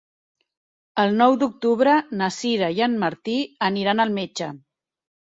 El nou d'octubre na Sira i en Martí aniran al metge.